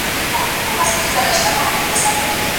عرضه او تقاضا د بیو اساس جوړوي.